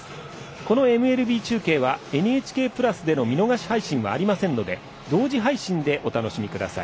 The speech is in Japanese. このＭＬＢ中継は「ＮＨＫプラス」での見逃し配信はありませんので同時配信でお楽しみください。